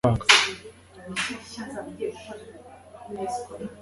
ntegetse ko ntazigera nguza amafaranga